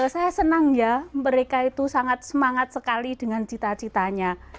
saya senang ya mereka itu sangat semangat sekali dengan cita citanya